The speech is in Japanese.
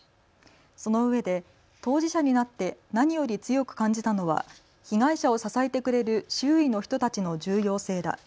そのうえで当事者になって何より強く感じたのは被害者を支えてくれる周囲の人たちの重要性だ。